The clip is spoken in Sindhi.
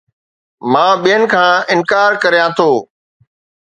مان ٻين کان انڪار ڪريان ٿو